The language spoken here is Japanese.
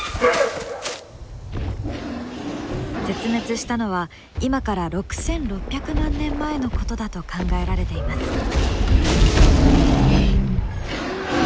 絶滅したのは今から６，６００万年前のことだと考えられています。